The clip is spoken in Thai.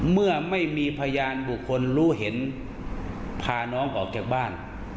เมื่อไม่มีพยานบุคคลรู้เห็นพาน้องออกจากบ้าน